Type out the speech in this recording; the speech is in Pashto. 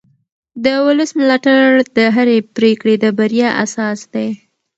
د ولس ملاتړ د هرې پرېکړې د بریا اساس دی